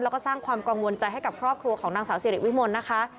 แล้วก็สร้างความกังวลใจให้กับครอบครัวของนางสาวสิริวิมลนะคะ